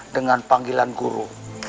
dengan panggilan guru